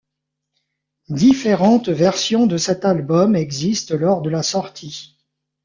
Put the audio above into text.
Différentes versions de cet album existent lors de la sortie.